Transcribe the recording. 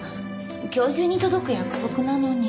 今日中に届く約束なのに。